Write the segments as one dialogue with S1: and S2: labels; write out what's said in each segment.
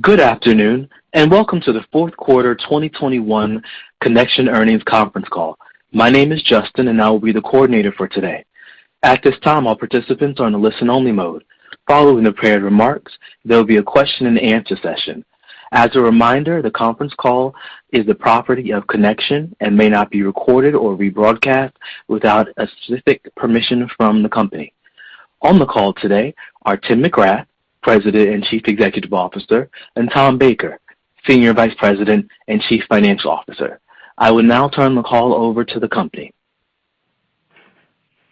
S1: Good afternoon, and welcome to the fourth quarter 2021 Connection earnings conference call. My name is Justin, and I will be the coordinator for today. At this time, all participants are on a listen-only mode. Following the prepared remarks, there will be a question-and-answer session. As a reminder, the conference call is the property of Connection and may not be recorded or rebroadcast without a specific permission from the company. On the call today are Tim McGrath, President and Chief Executive Officer, and Tom Baker, Senior Vice President and Chief Financial Officer. I will now turn the call over to the company.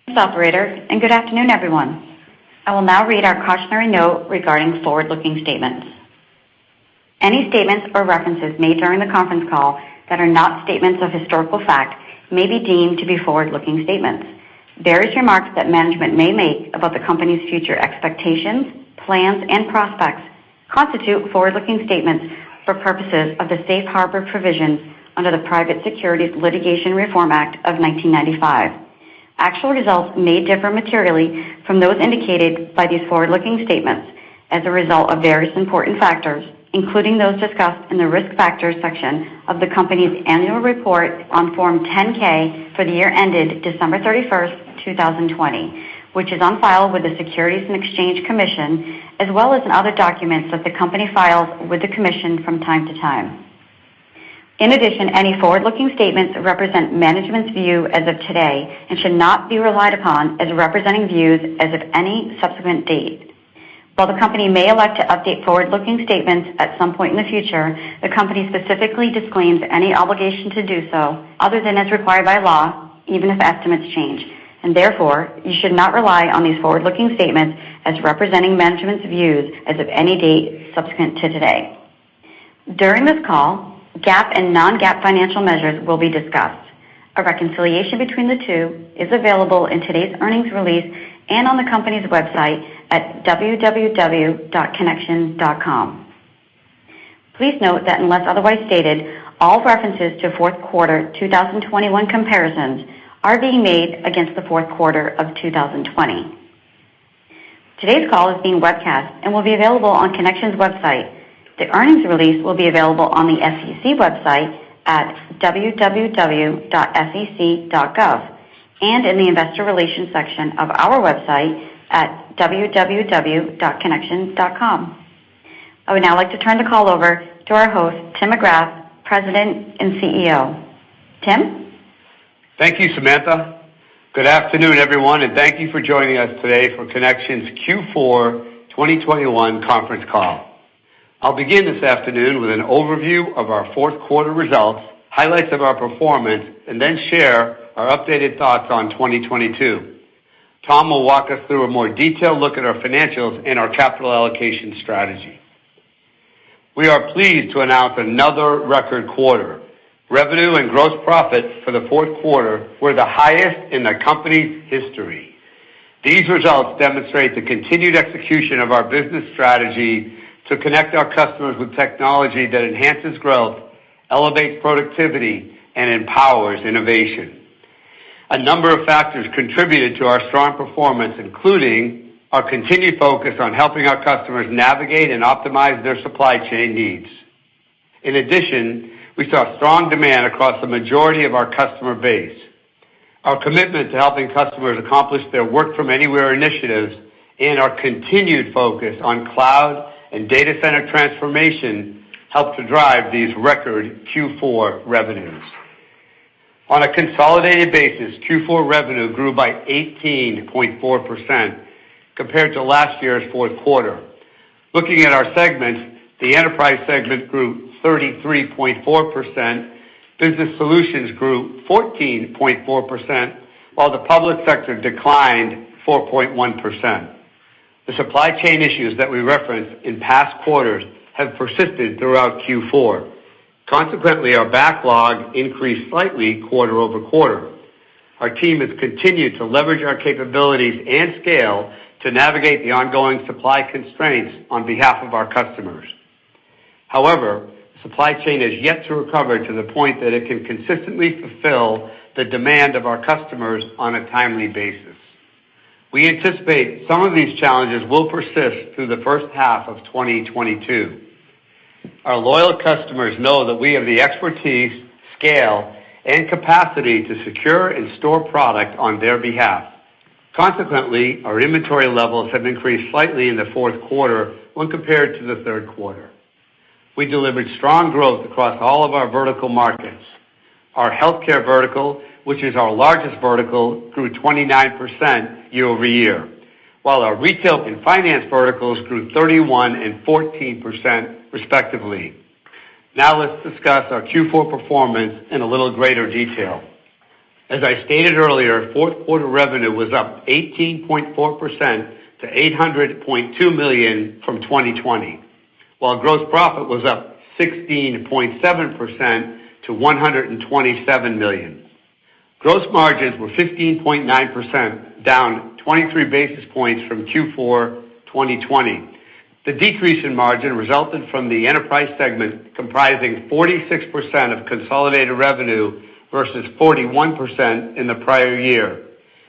S2: Thanks, operator, and good afternoon, everyone. I will now read our cautionary note regarding forward-looking statements. Any statements or references made during the conference call that are not statements of historical fact may be deemed to be forward-looking statements. Various remarks that management may make about the company's future expectations, plans, and prospects constitute forward-looking statements for purposes of the Safe Harbor provisions under the Private Securities Litigation Reform Act of 1995. Actual results may differ materially from those indicated by these forward-looking statements as a result of various important factors, including those discussed in the Risk Factors section of the company's annual report on Form 10-K for the year ended December 31st, 2020, which is on file with the Securities and Exchange Commission, as well as in other documents that the company files with the Commission from time to time. In addition, any forward-looking statements represent management's view as of today and should not be relied upon as representing views as of any subsequent date. While the company may elect to update forward-looking statements at some point in the future, the company specifically disclaims any obligation to do so, other than as required by law, even if estimates change. Therefore, you should not rely on these forward-looking statements as representing management's views as of any date subsequent to today. During this call, GAAP and non-GAAP financial measures will be discussed. A reconciliation between the two is available in today's earnings release and on the company's website at www.connection.com. Please note that unless otherwise stated, all references to fourth quarter 2021 comparisons are being made against the fourth quarter of 2020. Today's call is being webcast and will be available on Connection's website. The earnings release will be available on the SEC website at www.sec.gov and in the Investor Relations section of our website at www.connection.com. I would now like to turn the call over to our host, Tim McGrath, President and CEO. Tim?
S3: Thank you, Samantha. Good afternoon, everyone, and thank you for joining us today for Connection's Q4 2021 conference call. I'll begin this afternoon with an overview of our fourth quarter results, highlights of our performance, and then share our updated thoughts on 2022. Tom will walk us through a more detailed look at our financials and our capital allocation strategy. We are pleased to announce another record quarter. Revenue and gross profit for the fourth quarter were the highest in the company's history. These results demonstrate the continued execution of our business strategy to connect our customers with technology that enhances growth, elevates productivity, and empowers innovation. A number of factors contributed to our strong performance, including our continued focus on helping our customers navigate and optimize their supply chain needs. In addition, we saw strong demand across the majority of our customer base. Our commitment to helping customers accomplish their work-from-anywhere initiatives and our continued focus on cloud and data center transformation helped to drive these record Q4 revenues. On a consolidated basis, Q4 revenue grew by 18.4% compared to last year's fourth quarter. Looking at our segments, the Enterprise segment grew 33.4%, Business Solutions grew 14.4%, while the Public Sector declined 4.1%. The supply chain issues that we referenced in past quarters have persisted throughout Q4. Consequently, our backlog increased slightly quarter-over-quarter. Our team has continued to leverage our capabilities and scale to navigate the ongoing supply constraints on behalf of our customers. However, supply chain has yet to recover to the point that it can consistently fulfill the demand of our customers on a timely basis. We anticipate some of these challenges will persist through the first half of 2022. Our loyal customers know that we have the expertise, scale, and capacity to secure and store product on their behalf. Consequently, our inventory levels have increased slightly in the fourth quarter when compared to the third quarter. We delivered strong growth across all of our vertical markets. Our healthcare vertical, which is our largest vertical, grew 29% year-over-year, while our retail and finance verticals grew 31% and 14% respectively. Now let's discuss our Q4 performance in a little greater detail. As I stated earlier, fourth quarter revenue was up 18.4% to $802 million from 2020, while gross profit was up 16.7% to $127 million. Gross margins were 15.9%, down 23 basis points from Q4 2020. The decrease in margin resulted from the enterprise segment comprising 46% of consolidated revenue versus 41% in the prior year.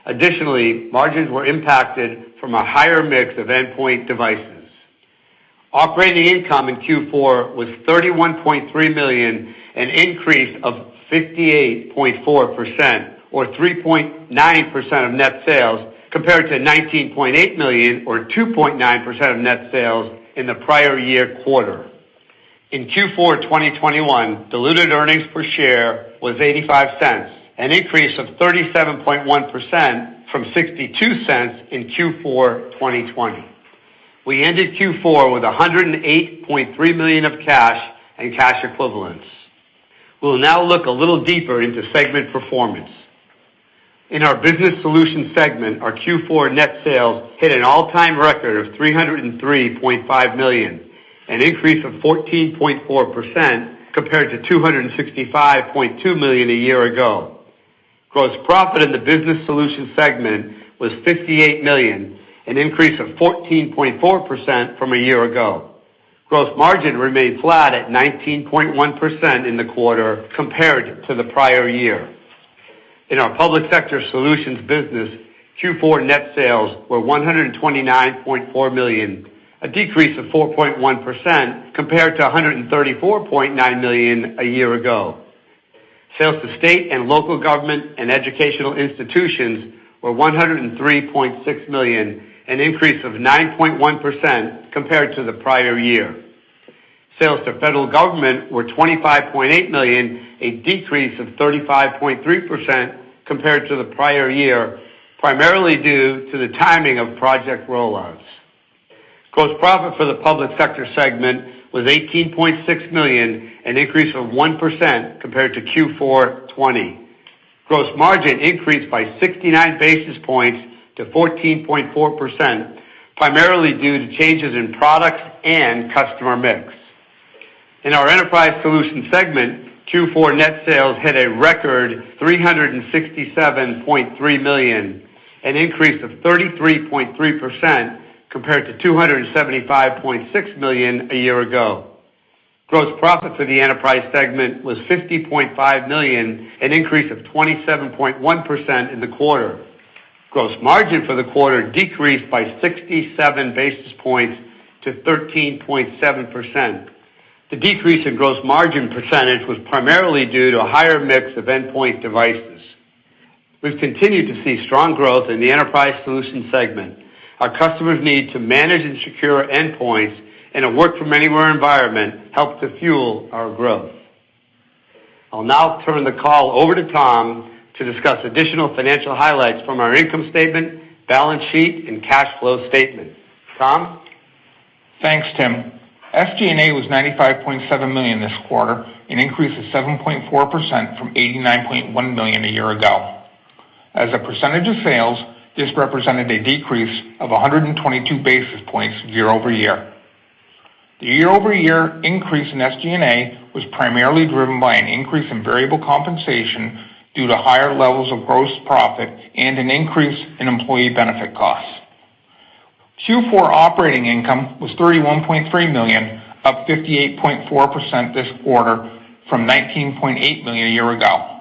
S3: Additionally, margins were impacted from a higher mix of endpoint devices. Operating income in Q4 was $31.3 million, an increase of 58.4% or 3.9% of net sales, compared to $19.8 million or 2.9% of net sales in the prior year quarter. In Q4 2021, diluted earnings per share was $0.85, an increase of 37.1% from $0.62 in Q4 2020. We ended Q4 with $108.3 million of cash and cash equivalents. We'll now look a little deeper into segment performance. In our Business Solutions segment, our Q4 net sales hit an all-time record of $303.5 million, an increase of 14.4% compared to $265.2 million a year ago. Gross profit in the Business Solutions segment was $58 million, an increase of 14.4% from a year ago. Gross margin remained flat at 19.1% in the quarter compared to the prior year. In our Public Sector Solutions business, Q4 net sales were $129.4 million, a decrease of 4.1% compared to $134.9 million a year ago. Sales to state and local government and educational institutions were $103.6 million, an increase of 9.1% compared to the prior year. Sales to federal government were $25.8 million, a decrease of 35.3% compared to the prior year, primarily due to the timing of project rollouts. Gross profit for the Public Sector segment was $18.6 million, an increase of 1% compared to Q4 2020. Gross margin increased by 69 basis points to 14.4%, primarily due to changes in product and customer mix. In our Enterprise Solutions segment, Q4 net sales hit a record $367.3 million, an increase of 33.3% compared to $275.6 million a year ago. Gross profit for the Enterprise segment was $50.5 million, an increase of 27.1% in the quarter. Gross margin for the quarter decreased by 67 basis points to 13.7%. The decrease in gross margin percentage was primarily due to a higher mix of endpoint devices. We've continued to see strong growth in the enterprise solutions segment. Our customers need to manage and secure endpoints in a work-from-anywhere environment, helps to fuel our growth. I'll now turn the call over to Tom to discuss additional financial highlights from our income statement, balance sheet, and cash flow statement. Tom?
S4: Thanks, Tim. SG&A was $95.7 million this quarter, an increase of 7.4% from $89.1 million a year ago. As a percentage of sales, this represented a decrease of 122 basis points year-over-year. The year-over-year increase in SG&A was primarily driven by an increase in variable compensation due to higher levels of gross profit and an increase in employee benefit costs. Q4 operating income was $31.3 million, up 58.4% this quarter from $19.8 million a year ago.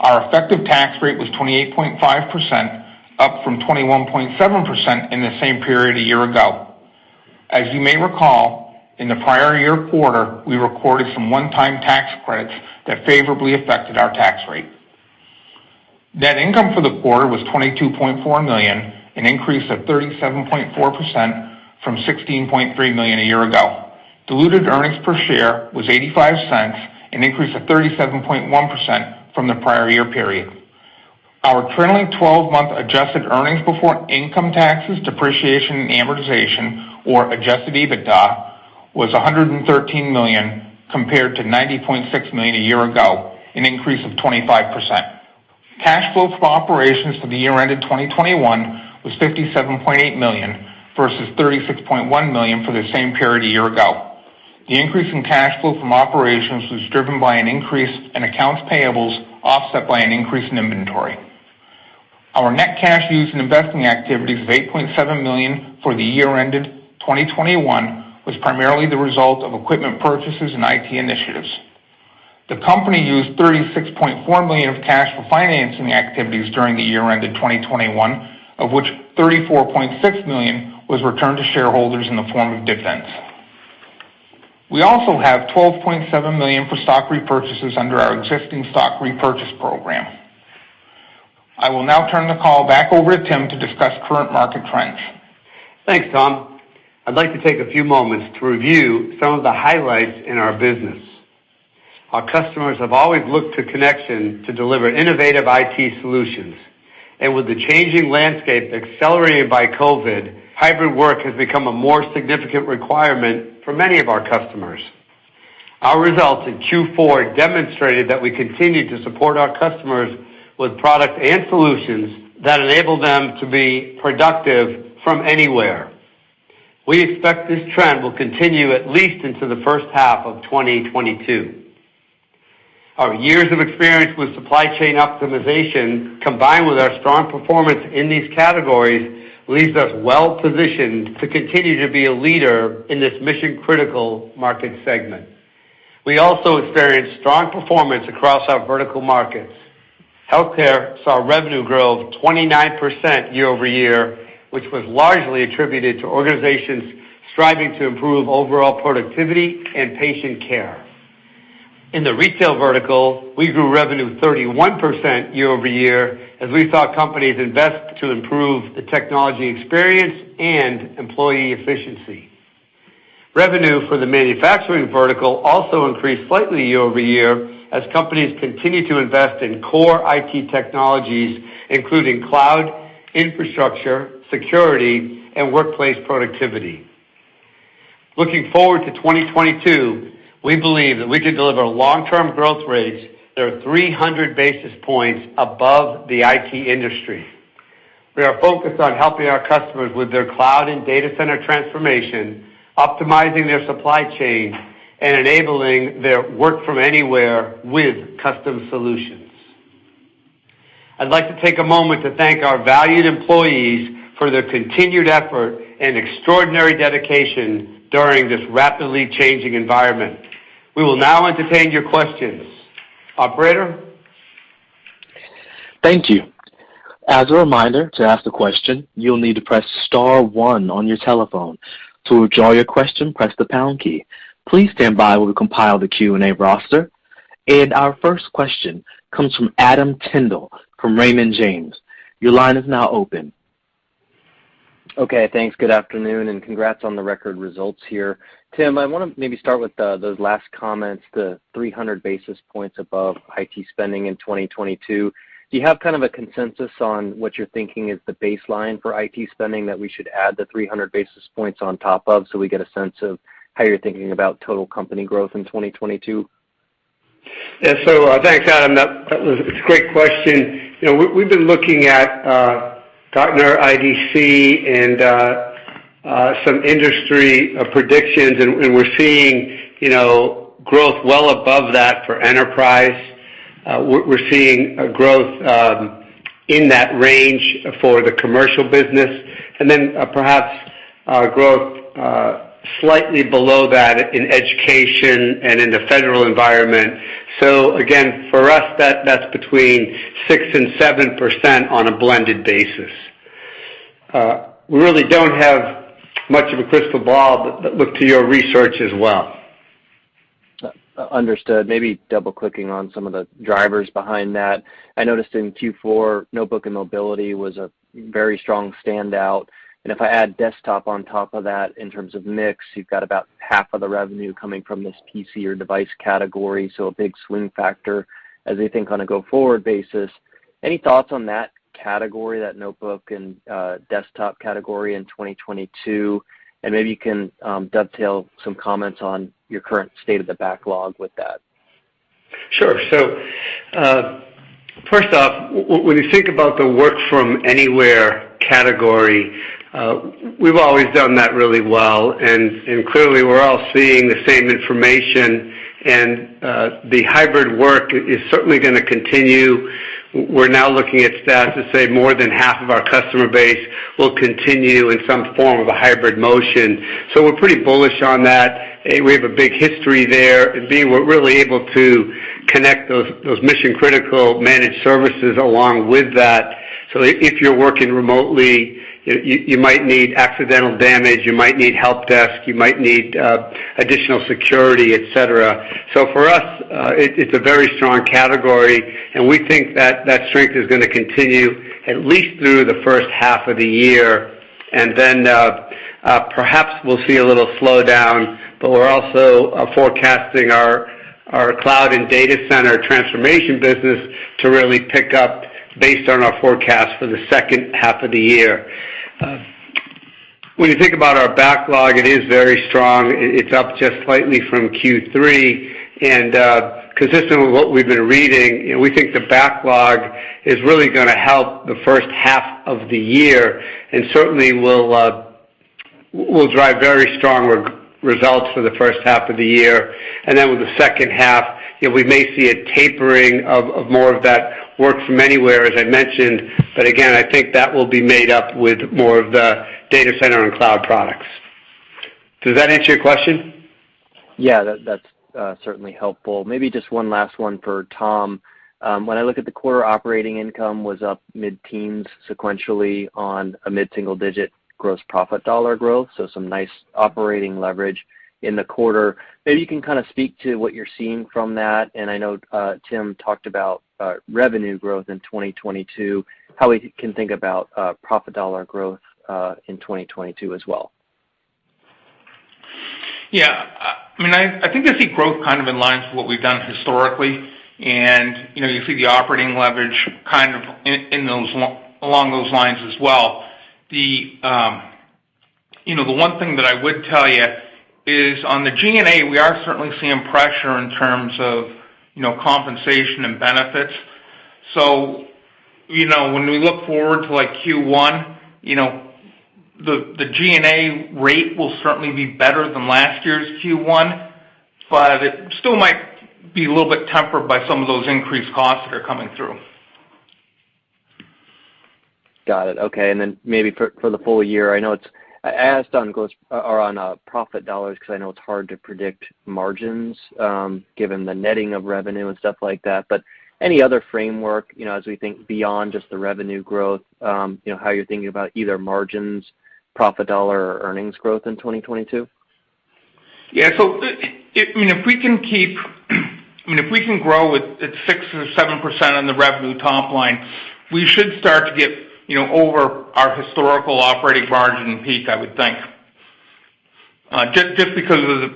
S4: Our effective tax rate was 28.5%, up from 21.7% in the same period a year ago. As you may recall, in the prior year quarter, we recorded some one-time tax credits that favorably affected our tax rate. Net income for the quarter was $22.4 million, an increase of 37.4% from $16.3 million a year ago. Diluted earnings per share was $0.85, an increase of 37.1% from the prior year period. Our trailing twelve-month adjusted earnings before income taxes, depreciation, and amortization, or adjusted EBITDA, was $113 million compared to $90.6 million a year ago, an increase of 25%. Cash flow from operations for the year ended 2021 was $57.8 million versus $36.1 million for the same period a year ago. The increase in cash flow from operations was driven by an increase in accounts payables, offset by an increase in inventory. Our net cash used in investing activities of $8.7 million for the year ended 2021 was primarily the result of equipment purchases and IT initiatives. The company used $36.4 million of cash for financing activities during the year ended 2021, of which $34.6 million was returned to shareholders in the form of dividends. We also have $12.7 million for stock repurchases under our existing stock repurchase program. I will now turn the call back over to Tim to discuss current market trends.
S3: Thanks, Tom. I'd like to take a few moments to review some of the highlights in our business. Our customers have always looked to Connection to deliver innovative IT solutions. With the changing landscape accelerated by COVID, hybrid work has become a more significant requirement for many of our customers. Our results in Q4 demonstrated that we continue to support our customers with product and solutions that enable them to be productive from anywhere. We expect this trend will continue at least into the first half of 2022. Our years of experience with supply chain optimization, combined with our strong performance in these categories, leaves us well positioned to continue to be a leader in this mission-critical market segment. We also experienced strong performance across our vertical markets. Healthcare saw revenue growth 29% year-over-year, which was largely attributed to organizations striving to improve overall productivity and patient care. In the retail vertical, we grew revenue 31% year-over-year as we saw companies invest to improve the technology experience and employee efficiency. Revenue for the manufacturing vertical also increased slightly year-over-year as companies continue to invest in core IT technologies, including cloud infrastructure, security, and workplace productivity. Looking forward to 2022, we believe that we can deliver long-term growth rates that are 300 basis points above the IT industry. We are focused on helping our customers with their cloud and data center transformation, optimizing their supply chain, and enabling their work from anywhere with custom solutions. I'd like to take a moment to thank our valued employees for their continued effort and extraordinary dedication during this rapidly changing environment. We will now entertain your questions. Operator?
S1: Thank you. As a reminder, to ask a question, you'll need to press star one on your telephone. To withdraw your question, press the pound key. Please stand by while we compile the Q&A roster. Our first question comes from Adam Tindle from Raymond James. Your line is now open.
S5: Okay, thanks. Good afternoon, and congrats on the record results here. Tim, I wanna maybe start with the, those last comments, the 300 basis points above IT spending in 2022. Do you have kind of a consensus on what you're thinking is the baseline for IT spending that we should add the 300 basis points on top of so we get a sense of how you're thinking about total company growth in 2022?
S3: Yeah. Thanks, Adam. That was a great question. You know, we've been looking at Gartner, IDC, and some industry predictions and we're seeing, you know, growth well above that for enterprise. We're seeing a growth in that range for the commercial business. Perhaps growth slightly below that in education and in the federal environment. Again, for us, that's between 6% and 7% on a blended basis. We really don't have much of a crystal ball, but look to your research as well.
S5: Understood. Maybe double-clicking on some of the drivers behind that. I noticed in Q4, notebook and mobility was a very strong standout. If I add desktop on top of that in terms of mix, you've got about half of the revenue coming from this PC or device category, so a big swing factor as they think on a go-forward basis. Any thoughts on that category, that notebook and desktop category in 2022? Maybe you can dovetail some comments on your current state of the backlog with that.
S3: Sure. First off, when you think about the work from anywhere category, we've always done that really well. Clearly, we're all seeing the same information. The hybrid work is certainly gonna continue. We're now looking at stats to say more than half of our customer base will continue in some form of a hybrid motion. We're pretty bullish on that. A, we have a big history there. B, we're really able to connect those mission-critical managed services along with that. If you're working remotely, you might need accidental damage, you might need help desk, you might need additional security, et cetera. For us, it's a very strong category, and we think that strength is gonna continue at least through the first half of the year. Perhaps we'll see a little slowdown, but we're also forecasting our cloud and data center transformation business to really pick up based on our forecast for the second half of the year. When you think about our backlog, it is very strong. It's up just slightly from Q3. Consistent with what we've been reading, you know, we think the backlog is really gonna help the first half of the year and certainly will drive very strong results for the first half of the year. With the second half, you know, we may see a tapering of more of that work from anywhere, as I mentioned, but again, I think that will be made up with more of the data center and cloud products. Does that answer your question?
S5: Yeah. That's certainly helpful. Maybe just one last one for Tom. When I look at the quarter operating income was up mid-teens sequentially on a mid-single digit gross profit dollar growth, so some nice operating leverage in the quarter. Maybe you can kinda speak to what you're seeing from that. I know Tim talked about revenue growth in 2022, how we can think about profit dollar growth in 2022 as well.
S4: Yeah. I mean, I think I see growth kind of in line to what we've done historically. You know, you see the operating leverage kind of along those lines as well. You know, the one thing that I would tell you is on the G&A, we are certainly seeing pressure in terms of, you know, compensation and benefits. You know, when we look forward to, like, Q1, you know, the G&A rate will certainly be better than last year's Q1, but it still might be a little bit tempered by some of those increased costs that are coming through.
S5: Got it. Okay. Then maybe for the full year, I know I asked on growth or on profit dollars because I know it's hard to predict margins, given the netting of revenue and stuff like that, but any other framework, you know, as we think beyond just the revenue growth, you know, how you're thinking about either margins, profit dollar, or earnings growth in 2022?
S4: If we can grow at 6% or 7% on the revenue top line, we should start to get over our historical operating margin peak, I would think. Just because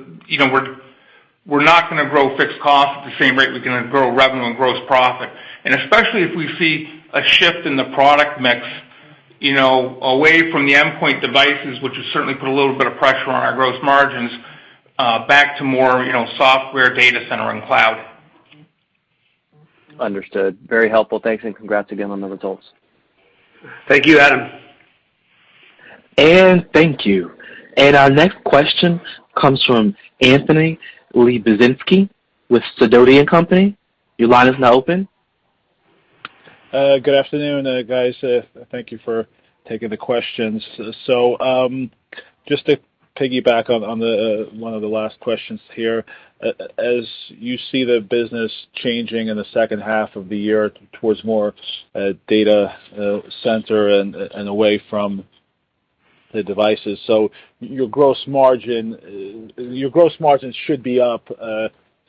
S4: we're not gonna grow fixed costs at the same rate we're gonna grow revenue and gross profit. Especially if we see a shift in the product mix away from the endpoint devices, which has certainly put a little bit of pressure on our gross margins, back to more software data center and cloud.
S5: Understood. Very helpful. Thanks, and congrats again on the results.
S3: Thank you, Adam.
S1: Thank you. Our next question comes from Anthony Lebiedzinski with Sidoti & Company. Your line is now open.
S6: Good afternoon, guys. Thank you for taking the questions. Just to piggyback on one of the last questions here. As you see the business changing in the second half of the year towards more data center and away from the devices, so your gross margin, your gross margins should be up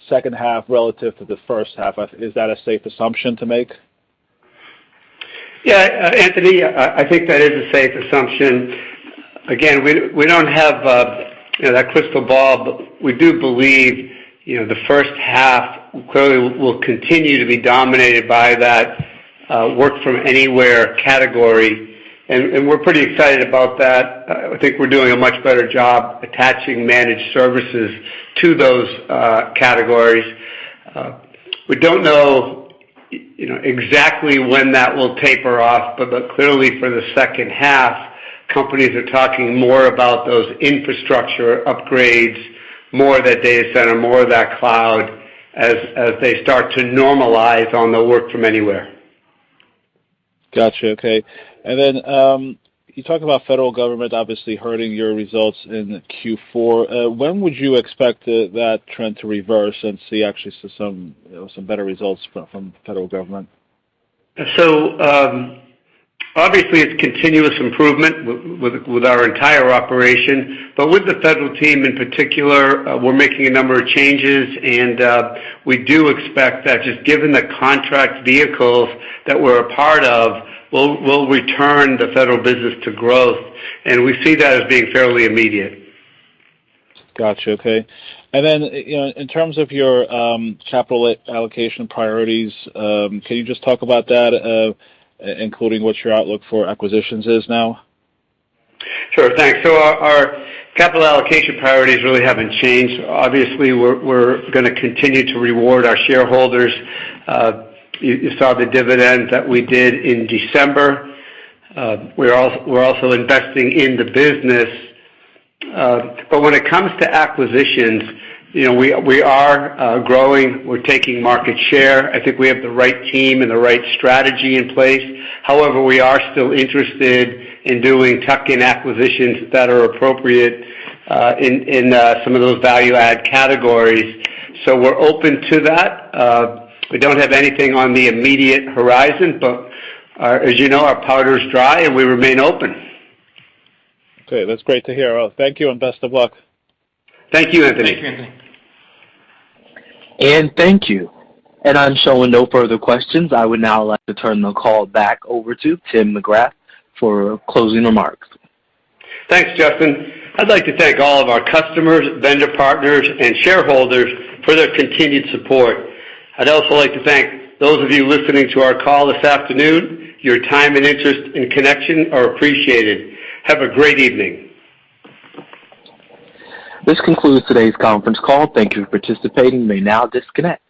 S6: second half relative to the first half. Is that a safe assumption to make?
S3: Yeah, Anthony, I think that is a safe assumption. Again, we don't have, you know, that crystal ball, but we do believe, you know, the first half clearly will continue to be dominated by that work from anywhere category, and we're pretty excited about that. I think we're doing a much better job attaching managed services to those categories. We don't know, you know, exactly when that will taper off, but clearly for the second half, companies are talking more about those infrastructure upgrades, more of that data center, more of that cloud as they start to normalize on the work from anywhere.
S6: Gotcha. Okay. You talk about federal government obviously hurting your results in Q4. When would you expect that trend to reverse and see actually some, you know, some better results from the federal government?
S3: Obviously, it's continuous improvement with our entire operation. With the federal team in particular, we're making a number of changes, and we do expect that just given the contract vehicles that we're a part of, we'll return the federal business to growth, and we see that as being fairly immediate.
S6: Gotcha. Okay. You know, in terms of your capital allocation priorities, can you just talk about that, including what your outlook for acquisitions is now?
S3: Sure. Thanks. Our capital allocation priorities really haven't changed. Obviously, we're gonna continue to reward our shareholders. You saw the dividend that we did in December. We're also investing in the business. When it comes to acquisitions, you know, we are growing. We're taking market share. I think we have the right team and the right strategy in place. However, we are still interested in doing tuck-in acquisitions that are appropriate in some of those value add categories. We're open to that. We don't have anything on the immediate horizon, but as you know, our powder is dry, and we remain open.
S6: Okay. That's great to hear. Well, thank you, and best of luck.
S3: Thank you, Anthony.
S1: Thank you. I'm showing no further questions. I would now like to turn the call back over to Tim McGrath for closing remarks.
S3: Thanks, Justin. I'd like to thank all of our customers, vendor partners, and shareholders for their continued support. I'd also like to thank those of you listening to our call this afternoon. Your time and interest and connection are appreciated. Have a great evening.
S1: This concludes today's conference call. Thank you for participating. You may now disconnect.